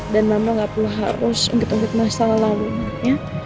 dan mama gak perlu harus menggituk masalah lama